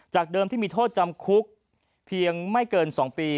เดิมที่มีโทษจำคุกเพียงไม่เกิน๒ปี